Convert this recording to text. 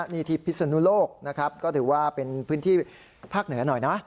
นี่ที่พิศนุโลกนะครับก็ถือว่าเป็นพื้นที่ภาคเหนือหน่อยนะ